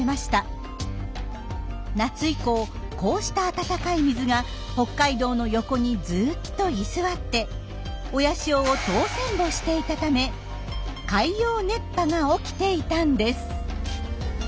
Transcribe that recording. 夏以降こうした温かい水が北海道の横にずっと居座って親潮を通せんぼしていたため海洋熱波が起きていたんです。